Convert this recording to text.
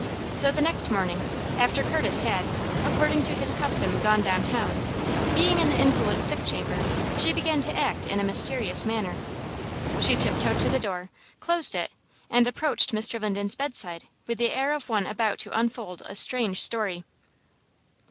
So the next morning, after Curtis had, according to his custom, gone downtown, being in the invalid's sick chamber, she began to act in a mysterious manner. She tiptoed to the door, closed it and approached Mr. Linden's bedside with the air of one about to unfold a strange story.